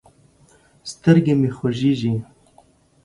سترګې مې خوږېږي.